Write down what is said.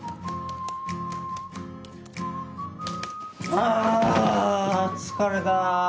あぁ疲れた！